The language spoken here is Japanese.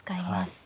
はい。